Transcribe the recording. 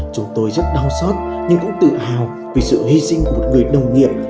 chúng tôi rất đau xót nhưng cũng tự hào vì sự hy sinh của một người đồng nghiệp